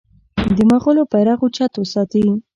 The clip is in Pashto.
د مغولو بیرغ اوچت وساتي.